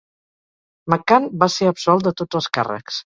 McHann va ser absolt de tots els càrrecs.